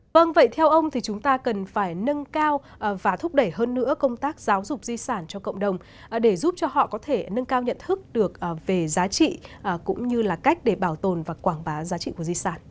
vâng vậy theo ông thì chúng ta cần phải nâng cao và thúc đẩy hơn nữa công tác giáo dục di sản cho cộng đồng để giúp cho họ có thể nâng cao nhận thức được về giá trị cũng như là cách để bảo tồn và quảng bá giá trị của di sản